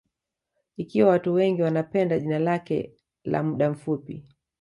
Ikiwa watu wengi wanapenda jina lake la muda mfupi